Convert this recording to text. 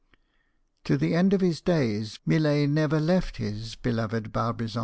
To the end of his days, Millet never left his beloved Barbizon.